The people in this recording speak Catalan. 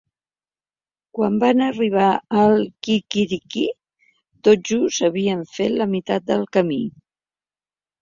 Quan van arribar al quiquiriquic tot just havien fet la meitat del camí.